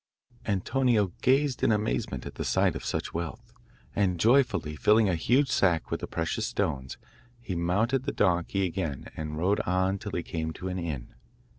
Antonio gazed in amazement at the sight of such wealth, and joyfully filling a huge sack with the precious stones, he mounted the donkey again and rode on till he came to an inn.